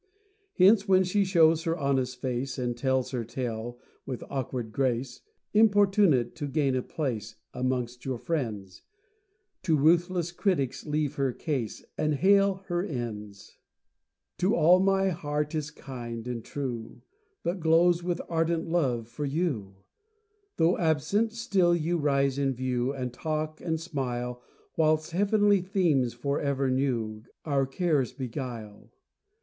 Hence, when she shows her honest face, And tells her tale with awkward grace, Importunate to gain a place Amongst your friends, To ruthless critics leave her case, And hail her ends. To all my heart is kind and true, But glows with ardent love for you; Though absent, still you rise in view, And talk and smile, Whilst heavenly themes, for ever new, Our cares beguile.